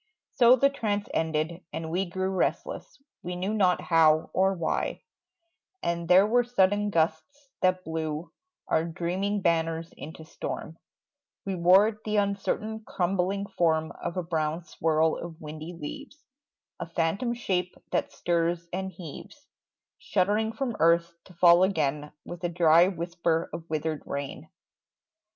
So the trance ended, and we grew Restless, we knew not how or why; And there were sudden gusts that blew Our dreaming banners into storm; We wore the uncertain crumbling form Of a brown swirl of windy leaves, A phantom shape that stirs and heaves Shuddering from earth, to fall again With a dry whisper of withered rain.